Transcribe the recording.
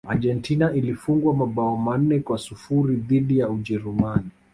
argentina ilifungwa mabao manne kwa sifuri dhidi ya ujerumani